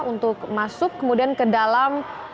untuk masuk kemudian ke dalam